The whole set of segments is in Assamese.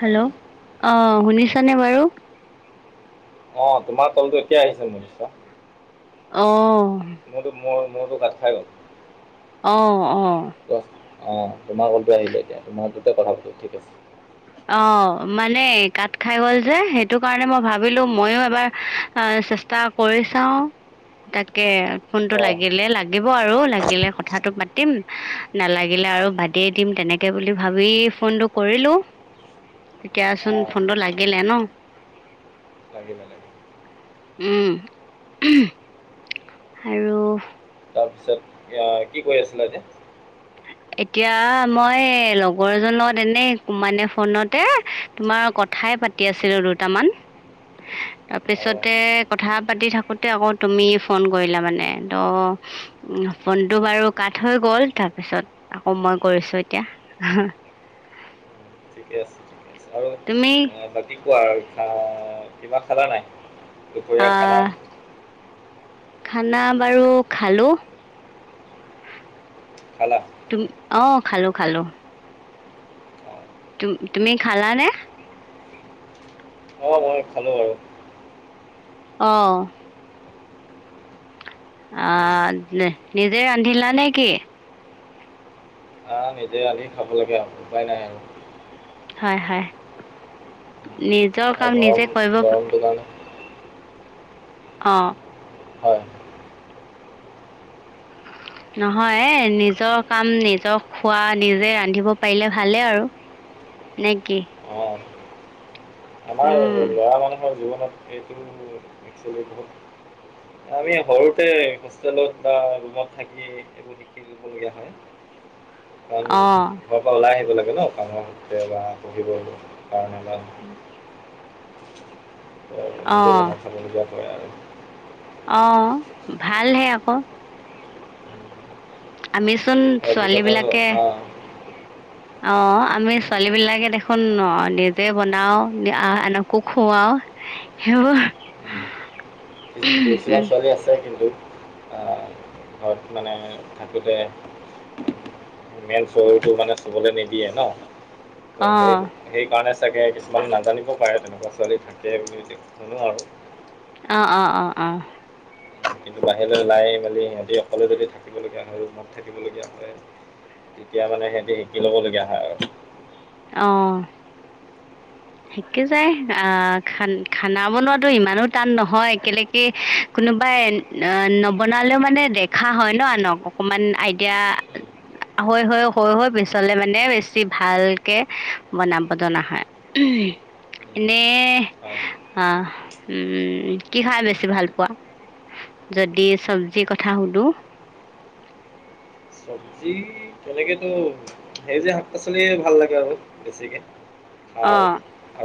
হেল্ল' অ শুনিছানে বাৰু? অ তোমাৰ কলটো এতিয়া আহিছে মোৰ ওচৰত। অ। মোৰতো মোৰ মোৰতো কাট খাই গ'ল। অহ অহ কোৱা অঁ তোমাৰ কলটো আহিলে এতিয়া তোমাৰতে কথা পাতিম ঠিক আছে অ মানে কাট খাই গ'ল যে সেইটো কাৰণে মই ভাবিলো মইও এবাৰ চেষ্টা কৰি চাওকচোন তাকে ফোনটো অঁ লাগিলে লাগি আৰু লাগিলে কথাটো পাতিম নালাগিলে আৰু বাদেই দিম তেনেকে বুলি ভাবি ফোনটো কৰিলো এতিয়াচোন অঁ ফোনটো লাগিলে ন লাগিলে লাগিলে উম আৰু অ কি কৈ আছিলা যে এতিয়া মই লগৰ এজনৰ লগত এনেই মানে ফোনতে তোমাৰ কথ কথাই পাতি আছিলো দুটামান অঁ তাৰপিছতে কথা পাতি থাকোতে আকৌ তুমি ফোন কৰিলা মানে ত উম ফোনটো বাৰু কাট হৈ গ'ল তাৰপিছত আকৌ মই কৰিছো এতিয়া ঠিকে আছে ঠিকে আৰু তুমি বাকী কোৱা আৰু ভা কিবা খালা নাই দুপৰীয়া খানা আহ খানা বাৰু খালো খালা তুম অ খালো খালো তু তুমি খালানে অঁ অঁ মই খালোঁ আৰু অহ উম, অহ নি নিজেই ৰান্ধিলা নে কি অ নিজে ৰান্ধি খাব লগীয়া হল উপায় নাই আৰু হয় হয় নিজৰ আৰু কাম গৰম নিজে কৰিব গৰমটো কাৰণে অ। হয়। নহয় নিজৰ কাম, নিজৰ খোৱা, নিজে ৰান্ধিব পাৰিলে ভালে আৰু। নেকি? অঁ আমাৰ ল'ৰা মানুহৰ জীৱনত এইটো এক্সুৱেলি বহুত আমি সৰুতে হোষ্টেলত বা ৰুমত থাকি, এইবোৰ শিকিব লগীয়া হয়। [inaudible] কাৰণ অঁ ঘৰ পা ওলাই আহিব লাগে ন কামত, দেওবাৰ পঢ়িব কাৰণে বা উম। নিজে বনাই খাব লগীয়া হৈ আৰু। অ ভালহে আক। আমিচোন সেই ছোৱালী অভিজ্ঞতা বিলাকে অঁ অ আমি ছোৱালী বিলাকে দেখোন, অ নিজে বনাও আ আনকো খোৱাও। হেঅ কিছুমান ছোৱালী আছে কিন্তু। আ ঘৰত মানে থাকোঁতে মেইন চৰুতো মানে চুবলে নিদিয়ে ন, ত সেই অ', সেইকাৰণে চাগে কিছুমান নাজানিব পাৰে তেনেকুৱা ছোৱালী থাকে, বুলি শুনো আৰু। অ, অ, অ, অ। বাহিৰলে ওলাই মেলি সিহঁতি অকলে যদি থাকিবলগীয়া হয়, ৰুমত থাকিবলগীয়া হয়। তেতিয়া মানে সেতি শিকি ল'ব লগীয়া হয় আৰু। অ। সে যাই আহ খান খানা বনোৱাাতো ইমানো টান নহয় কেলেকি কোনোবাই অ নবনালেও মানে দেখা হয় ন আনক অকমান আইডিয়া হৈ হৈ হৈ হৈ পিছলে মানে বেছি ভালকে বনাব জনা হয়। উঃ এনে হয় অ উম কি খাই বেছি ভাল পোৱা? যদি চব্জিৰ কথা সুধো চবজি তেনেকেতো সেই যে শাক পাচলিয়ে ভাল লাগে আৰু বেছিকে স অঁ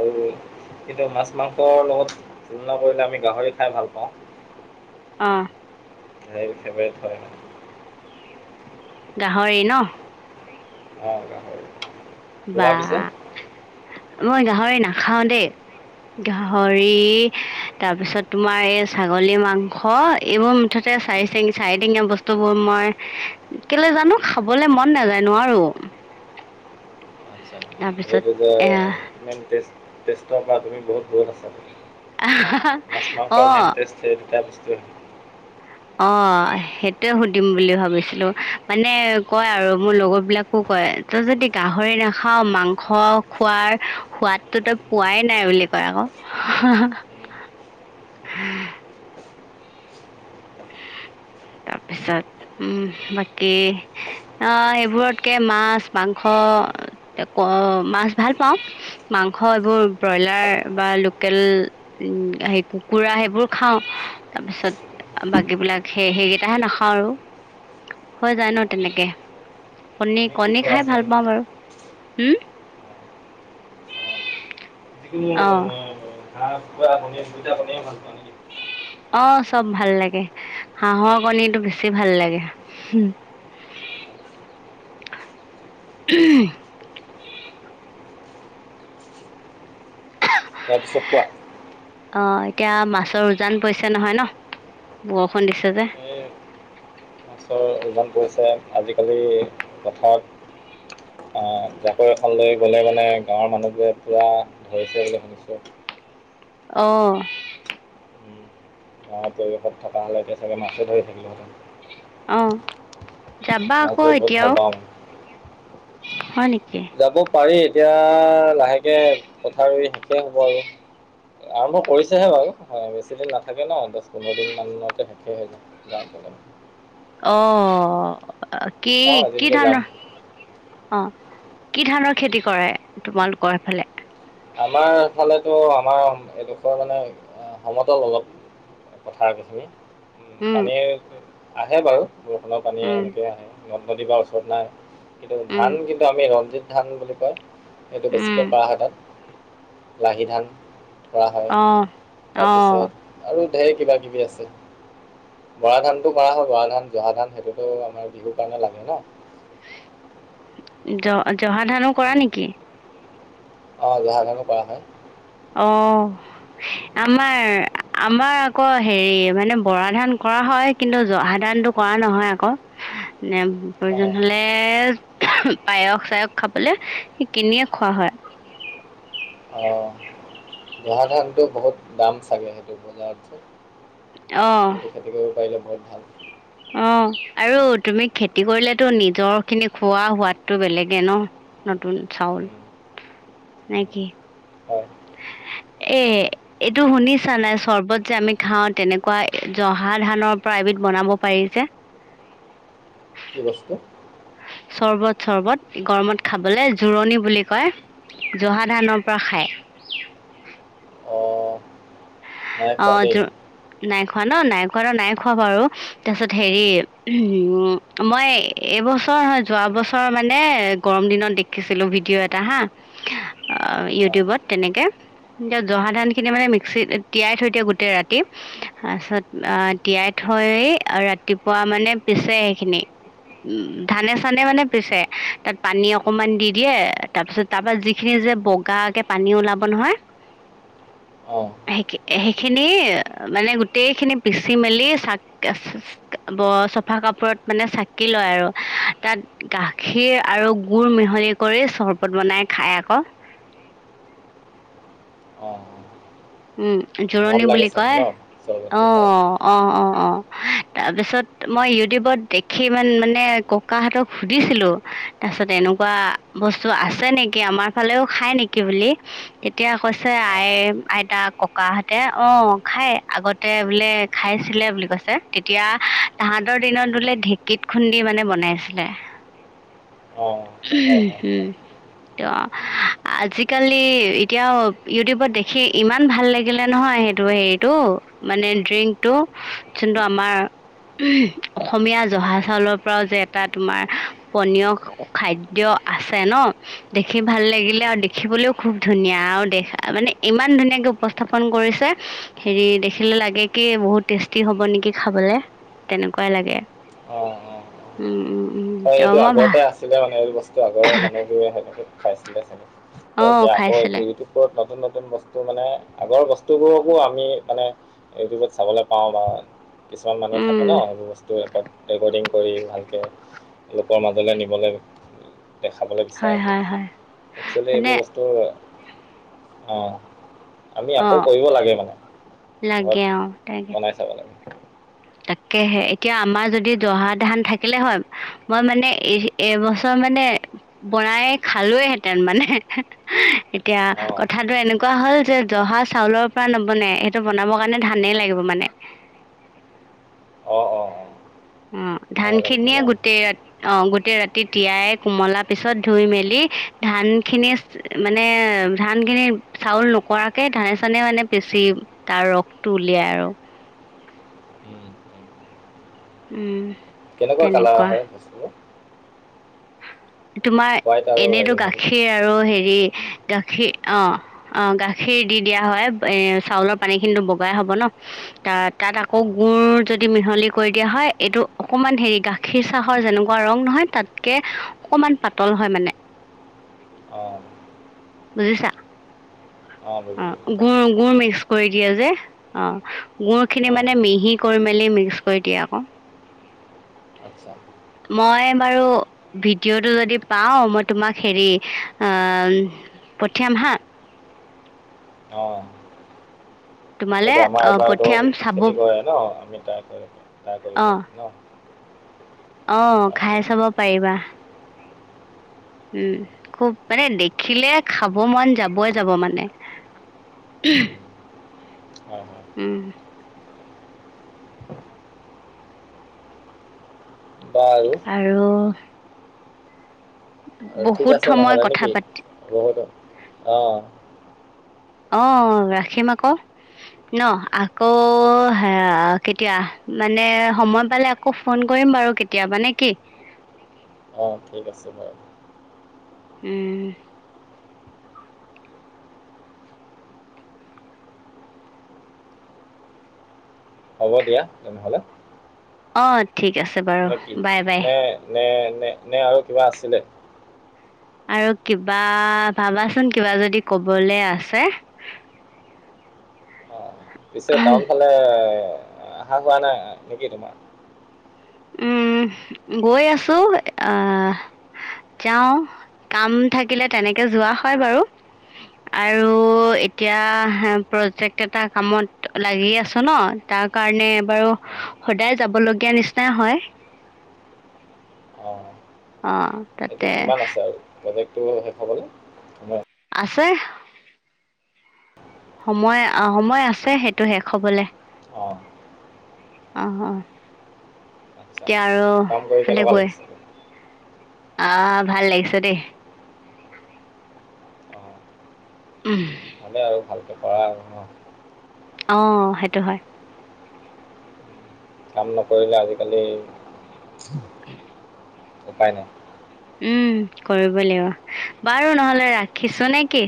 আৰু কিন্তু মাছ মাংসৰ লগত যোলনা কৰিলে আমি গাহৰি খাই ভাল পাওঁ অঁ হ ফেভৰেট হয় গাহৰি ন অ হয় বা মই গাহৰি নাখাও দেই গাহৰি তাৰপিছত তোমাৰ এই ছাগলী মাংস এইবোৰ মুঠতে চাৰি ঠেং চাৰিঠেঙীয়া বস্তু বোৰ মই কেলে জানো খাবলে মন নাযায় নোৱাৰো [unintelligible] আচ্ছা তাৰপিছত সেইটো যে এ ম তেষ্টৰ পৰা তুমি বহুত বহুত আছা মাছ মাংস অঁ মেনটেষ্ট দুটা বস্তু অ সেইটোয়ে সুধিম বুলি ভাবিছিলো মানে কয় আৰু মোৰ লগৰ বিলাকক কয় তই যদি গাহৰি নাখাও মাংস খোৱাৰ সোৱাদটো তই পোৱাই নাই বুলি কয় আকৌ উম, তাপ তাৰপিছত বাকী এইবোৰতকৈ মাছ মাংস ক মাছ ভাল পাওঁ মাংস এইবোৰ ব্ৰইলাৰ বা লোকেল হেই কুকুৰা সেইবোৰ খাওঁ তাৰপিছত বাকীবিলাক সেই সেইকেইটাহে নাখাওঁ আৰু হৈ যায় ন তেনেকে কণী কণীটো কণী খোৱা খাই ভাল চাগে পাওঁ বাৰু হম অঁ, যিকোনো অ হাঁহ কুকৰা কনীৰ দুইটা কনিয়ে ভাল পোৱা নে অ চব ভাল লাগে হাঁহৰ কণীটো বেছি ভাল লাগে [unintelligible] তাৰপিছত কোৱা অ এতিয়া মাছৰ উজান পৰিছে নহয় ন বৰষুণ দিছে যে এই মাছৰ ওজান পৰিছে আজিকালি পথাৰত আহ জাকৈ এখন লৈ গলে মানে গাঁৱৰ মানুহ যে পুৰা ধৰিছে বুলি শুনিছো আহ উম, পৰিৱেশত থকা হ'লে এতিয়া চাগে মাছে ধৰি থাকিলোহেঁতেন অ যাবা মাছ আকৌ ধৰি বহুত এতিয়াও ভাল পাওঁ মই হয় নেকি যাব পাৰি এতিয়া লাহেকে পথাৰ ৰু ই শেষে হ'ব আৰু আৰম্ভ কৰিছেহে বাৰু বেছি দিন নাথাকে ন দহ পোন্ধৰ দিন মানতে শেষে হৈ যায় গাঁ অ কি চাওঁ কি এদিনকে যাম ধৰণৰ অ কি ধানৰ খেতি কৰে তোমালোকৰ এফালে তো আমাৰ এইডোখৰ মানে সমতল অলপ পথাৰকেইখিনি উ উম পানী আহে বাৰু বৰষুণৰ পানীয়ে উম সেনেকে আহে নদ নদী বা ওচৰত নাই কিন্তু উম ধান কিন্তু আমি ৰঞ্জিত ধান বুলি কয় এইটো বেছিকৈ উম কৰা হয় তাত লাহি ধান কৰা হয় অ অ তাৰপিছত আৰু ঢেৰ কিবা কিবি আছে বৰা ধানতটো কৰা হয় বৰা ধান জহা ধান সেইটোতো আমাৰ বিহু কাৰণে লাগে ন জ জহা ধানো কৰা নেকি অ জহা ধানো কৰা হয় অ আমাৰ আমাৰ আকৌ হেৰি মানে বৰা ধান কৰা হয় কিন্তু জহা ধানটো কৰা নহয় আকৌ ন অঁ প্ৰয়োজন হলে পায়স চায়স খাবলৈ সেই কিনিয়ে খোৱা হয় অঁ জহা ধানতটো বহুত দাম চাগে সেইটো বজাৰত অ সেইটো খেতি কৰিব পাৰিলে বৰ ভাল অ আৰু তুমি খেতি কৰিলেতো নিজৰ খিনি খোৱা সোৱাদটো বেলেগে ন নতুন চাউল, উম, উম, নেকি? হয়। [unintelligible] এ এইটো শুনিছা নাই চৰ্বত যে আমি খাওঁ তেনেকুৱা জহা ধানৰ পৰা এবিধ বনাব পাৰি যে। কি বস্তু? [unintelligible] চৰ্বত চৰ্বত, গৰমত খাবলৈ জোৰণি বুলি কয়, জহা ধানৰ পৰা খাই। [unintelligible] অ। নাই অ খোৱা দেই। জো- নাই খোৱা ন নাই খোৱা ন নাই খোৱা বাৰু তাৰপিছত হেৰি উ মই এবছৰ যোৱা বছৰ মানে গৰম দিনত দেখিছিলো ভিডিঅ' এটা হা অ অঁ ইউটিউবত তেনেকে, জহা ধানখিনি মানে মি তিয়াই থৈ দিয়ক গোটেই ৰাতি তাৰপিছত অ তিয়াই থৈ ৰাতিপুৱা তাৰ মানে পিছে এইখিনি। উ ধানে চানে মানে পিছে, তাত পানী অকমান দি দিয়ে তাৰ পিছত তাৰ পৰা যিখিনি যে বগাকে পানী ওলাব নহয়। অ। সেই সেইখিনি মানে গোটেই খিনি পিচি মেলি চাক চা ব চফা কাপোৰত মানে চাকি লয় আৰু তাত গাখীৰ আৰু গুৰ মিহলি কৰি চৰবত বনাই খাই আক। অঁ অঁ। উম ভাল জোৰণি লাগে বুলি চাগে কয় ন অ চৰবতটো খাই অ অ অ তা তাপিছত মই ইউটিউবত দেখি ইমান মানে ককাহঁতক সুধিছিলো তাৰপিছত এনেক কিবা বস্তু আছে নেকি আমাৰ ফালেও খায় নেকি বুলি? তেতিয়া কৈছে অঁ আই আইতা ককাহঁতে অ খাই আগতে বোলে খাইছিলে বুলি কৈছে। তেতিয়া তাহাঁতৰ দিনত বোলে ঢেঁকীত খুন্দি মানে বনাইছিলে। অঁ হয় হয় [unintelligible] ত আজিকালি এতিয়াও ইউটিউবত দেখ সেই ইমান ভাল লাগিলে নহয় সেইটো হেৰিটো মানে ড্ৰিংকটো যোনটো আমাৰ অসমীয়া জহা চাউলৰ পৰাও যে এটা তোমাৰ পনীয় খাদ্য আছে ন দেখি ভাল লাগিলে উম, আৰু দেখিবলেও খুব ধুনীয়া আৰু দেখ মানে ইমান ধুনীয়াকে উপস্থাপন কৰিছে হেৰি দেখিলে লাগে কি বহুত টেষ্টি হ'ব নেকি খাব লে তেনেকুৱাই লাগে অঁ অঁ অঁ উম উম। হয় তেওঁ এইটো মই ভা আগৰতে আছিলে মানে এই বস্তু আগৰ মানুহবোৰে সেনে খাইছিলে চাগে। হয় অঁ এতিয়া খাইছিলে আকৌবোৰ ইউটিউব নতুন নত তুন বস্তু মানে আগৰ বস্তুবোৰকো আমি মানে ইউটিউবত চাবলৈ পাওঁ বা কিছুমান মানুহ থাকে উম ন সেইবোৰ বস্তু ৰেক ৰেকৰ্ডিং কৰি ভালকে লোকৰ মাজলৈ নিবলে দেখাবলে হয় বিচাৰে। হয় হয় একচুৱেলি মানে এইবোৰ বস্তু অ'। আমি আকৌ অঁ কৰিব লাগে মানে লাগে অঁ তাকে ঘৰত বনাই চাব লাগে। তাকেহে এতিয়া আমাৰ যদি জহা ধান থাকিলে হয়, মই মানে এইবছৰ মানে বনাইে খালো হেঁতেন, মানে এতিয়া অঁ কথাটো এনেকুৱা এনেকুৱা হল যে জহা চাউলৰ পৰা নবনাই সেইটো বনাব কাৰণে ধানেই লাগিব মানে। [inaudible] অঁ অঁ অঁ অ', ধান ভালে লাগিব খিনিয়ে ন গোটেই ৰাতি অ', গোটেই ৰাতি তিয়াই কোমলা পিছত ধুই মেলি ধান খিনি মানে, ধান খিনি চাউল নকৰাকে ধানে চানে মানে পি [unintelligible] তাৰ ৰসটো উলিয়াই আৰু। উম। কেনেকুৱা কালাৰ তেনেকুৱা হয় বস্তুটো? তোমাৰ হোৱাইট আৰু এনেতো হেৰি হয় নেকি গাখীৰ আৰু হেৰি গাখীৰ অ অঁ গাখীৰ দি দিয়া হয় এ চাউলৰ পানী খিনিতো বগাই হব ন? ত তাত আকৌ অঁ গুৰ যদি মিহলি কৰি দিয়া হয় এইটো অকমান হেৰি গাখীৰ চাহত যেনেকুৱা ৰং নহয় তাতকে অকমান পাতল হয় মানে। অঁ বুজিছা বুজিলোঁ অঁ বুজিলোঁ গুৰ গুৰ মিক্স-' কৰি দিয়ে যে অ গুৰ খিনি অঁ মানে মিহি কৰি মেলি মিক্স কৰি দিয়ে আক। [inaudible] আচ্ছা মই বাৰু ভিডিঅ'টো যদি পাওঁ মই তোমাক হেৰি অ পঠিয়াম হা অঁ তোমালে এইটো আমাৰ অ এবাৰতো পঠিয়াম চাব খেতি কৰে ন আমি ট্ৰাই ট্ৰাই কৰিব অ পাৰিম ন? অ অঁ হয় খাই হয় চাব পাৰিবা। উম খুব মানে দেখিলে খাব মন যাবই যাব মানে। উম, উম, হয় হয় উম বাৰু আৰু আহ, ঠিক বহুত আছে সময় নহ'লে কথা নেকি পাতি বহুত অঁ অঁ ৰাখিম আক। ন আকৌ হা কেতিয়া মানে সময় পালে আকৌ ফোন কৰি দিম বাৰু কেতিয়াবা নেকি? অ' ঠিক আছে। বাৰু! উম। হ'ব দিয়া তেনেহলে। অ' ঠিক আছে বাৰু নে কি বাই বাই। নে নে নে আৰু কিবা আছিলে? আৰু কিবা ভাবাচোন কিবা যদি কবলৈ আছে। অঁ পিছে টাউন ফালে আহা হোৱা নাই নেকি তোমাৰ। উম, গৈ আছো অহ। যাওঁ কাম থাকিলে তেনেকে যোৱা হয় বাৰু। আৰু এতিয়া প্ৰজেক্ট এটা কামত লাগি আছ ন তাৰ। তাৰ কাৰণে বাৰু অঁ সদায় যাব লগীয়া নিচিনাই হয়। অঁ অ'। এইটো তাতে কিমান আছে আৰু প্ৰজেক্টটো শেষ হ'বলৈ ন'। আছেই। সময় অ' সময় আছে সেইটো শেষ হ'বলৈ। অঁ অ' অ' আচ্ছা এতিয়া আৰু কাম কৰি সেইফালে কেনেকুৱা গৈ। লাগিছে অ' ভাল লাগিছ দেই। উম। ভালে আৰু ভালকৈ কৰা আৰু ন'। অ' সেইটো হয়। কাম নকৰিলে আজিকালি উপায় নাই। উম কৰিব লাগিব, বাৰু নহলে ৰাখিছো নে কি?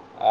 নাই